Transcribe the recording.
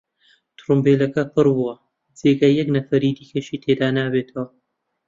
تڕومبێلەکە پڕ بووە، جێی یەک نەفەری دیکەشی تێدا نابێتەوە.